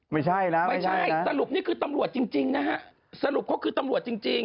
ไม่ใช่นะไม่ใช่สรุปนี้คือตำรวจจริงนะฮะสรุปเขาก็คือตำรวจจริง